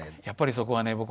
やっぱりそこはね